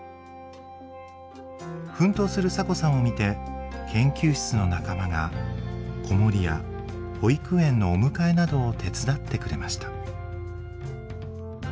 奮闘するサコさんを見て研究室の仲間が子守や保育園のお迎えなどを手伝ってくれました。